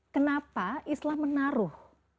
kenapa islam menaruh